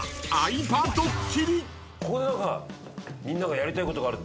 ここでみんながやりたいことがあるって。